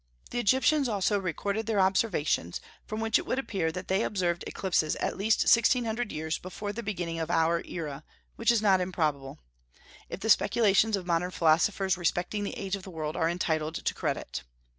The Egyptians also recorded their observations, from which it would appear that they observed eclipses at least sixteen hundred years before the beginning of our era, which is not improbable, if the speculations of modern philosophers respecting the age of the world are entitled to credit.